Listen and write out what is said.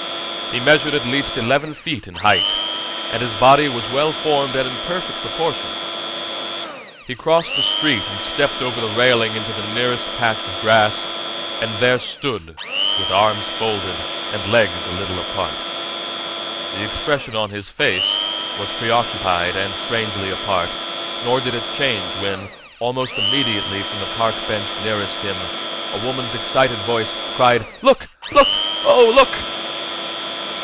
He measured at least eleven feet in height, and his body was well formed and in perfect proportion. He crossed the street and stepped over the railing into the nearest patch of grass, and there stood with arms folded and legs a little apart. The expression on his face was preoccupied and strangely apart, nor did it change when, almost immediately from the park bench nearest him, a woman's excited voice cried: "Look! Look! Oh, look!"